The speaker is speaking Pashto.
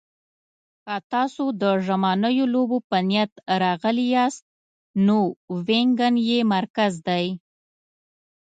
که تاسو د ژمنیو لوبو په نیت راغلي یاست، نو وینګن یې مرکز دی.